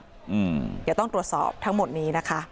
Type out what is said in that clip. เดี๋ยวต้องตรวจสอบทั้งหมดนี้นะคะ